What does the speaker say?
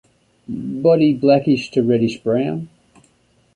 Body blackish to reddish brown.